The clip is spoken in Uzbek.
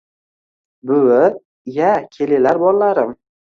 Buvi: iye kelilar bollarim